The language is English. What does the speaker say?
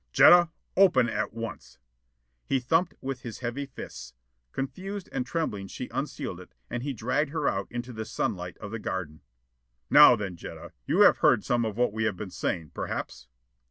"Jetta, open at once!" He thumped with his heavy fists. Confused and trembling she unsealed it, and he dragged her out into the sunlight of the garden. "Now then, Jetta, you have heard some of what we have been saying, perhaps?"